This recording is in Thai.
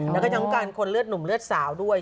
แล้วก็ทั้งการคนเลือดหนุ่มเลือดสาวด้วย